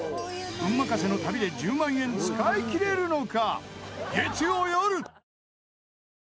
運任せの旅で１０万円使い切れるのか？